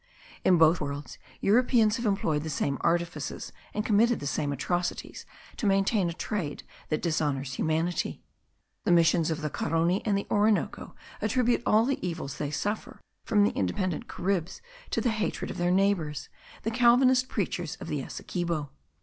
In both worlds Europeans have employed the same artifices, and committed the same atrocities, to maintain a trade that dishonours humanity. The missionaries of the Carony and the Orinoco attribute all the evils they suffer from the independent Caribs to the hatred of their neighbours, the Calvinist preachers of Essequibo.